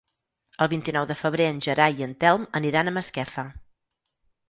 El vint-i-nou de febrer en Gerai i en Telm aniran a Masquefa.